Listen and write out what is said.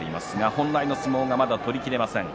本来の相撲がまだ取りきれません。